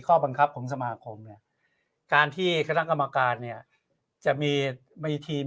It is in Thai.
ข้อบังคับของสมาคมการที่กระทั่งกรรมการเนี่ยจะมีมีทีม